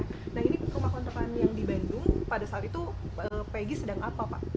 nah ini rumah kontrakan yang di bandung pada saat itu pagi sedang apa pak